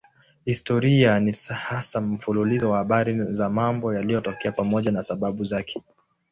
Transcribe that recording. Historia ni hasa mfululizo wa habari za mambo yaliyotokea pamoja na sababu zake.